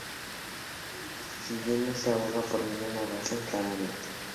Si bien, no se aboga por ninguna razón claramente.